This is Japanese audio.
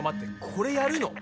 これやるの？